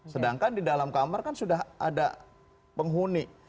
sedangkan di dalam kamar kan sudah ada penghuni